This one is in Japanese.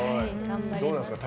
どうなんですか？